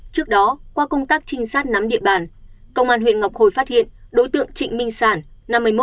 trước đó qua công tác trinh sát nắm địa bàn công an huyện ngọc hồi phát hiện đối tượng trịnh minh sản năm mươi một tuổi